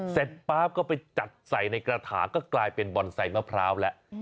เสร็จป๊าบก็ไปจัดใส่ในกระทะก็กลายเป็นบอนไซมะพร้าวแล้ว